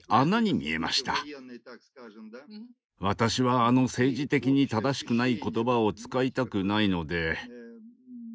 私はあの政治的に正しくない言葉を使いたくないので。